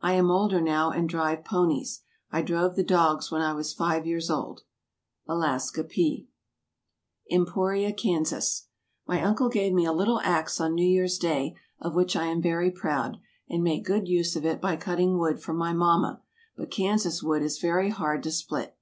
I am older now, and drive ponies. I drove the dogs when I was five years old. ALASKA P. EMPORIA, KANSAS. My uncle gave me a little axe on New Year's Day, of which I am very proud, and make good use of it by cutting wood for my mamma, but Kansas wood is very hard to split.